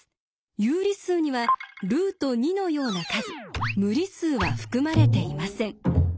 有理数にはルート２のような数無理数は含まれていません。